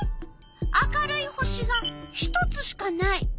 明るい星が１つしかない。